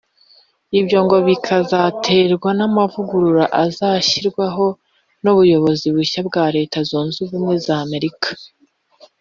Ibyo ngo ‘bikazaterwa n’amavugururwa azashyirwaho n’ubuyobozi bushya bwa Leta zunze ubumwe za Amerika